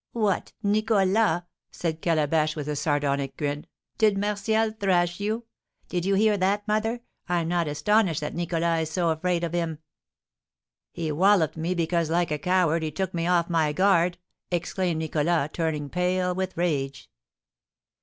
"What! Nicholas," said Calabash, with a sardonic grin, "did Martial thrash you? Did you hear that, mother? I'm not astonished that Nicholas is so afraid of him." "He walloped me, because, like a coward, he took me off my guard," exclaimed Nicholas, turning pale with rage.